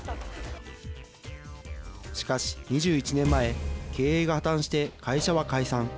しかし、２１年前経営が破綻して会社は解散。